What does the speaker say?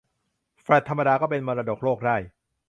แฟลตธรรมดาก็เป็นมรดกโลกได้